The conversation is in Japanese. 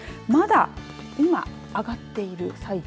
まだ今、上がっている最中。